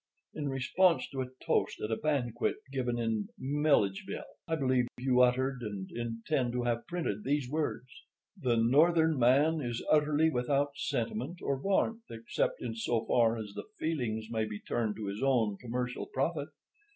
In response to a toast at a banquet given in—Milledgeville, I believe—you uttered, and intend to have printed, these words: "'The Northern man is utterly without sentiment or warmth except in so far as the feelings may be turned to his own commercial profit.